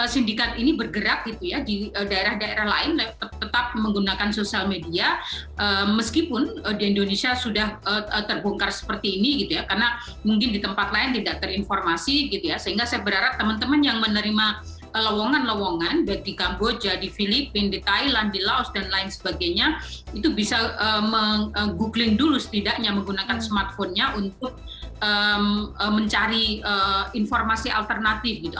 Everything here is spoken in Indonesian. sindikat ini bergerak gitu ya di daerah daerah lain tetap menggunakan sosial media meskipun di indonesia sudah terbongkar seperti ini gitu ya karena mungkin di tempat lain tidak terinformasi gitu ya sehingga saya berharap teman teman yang menerima lewongan lewongan di kamboja di filipina di thailand di laos dan lain sebagainya itu bisa meng googling dulu setidaknya menggunakan smartphone nya untuk mencari informasi alternatif gitu